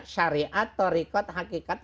syariat atau rekod hakikat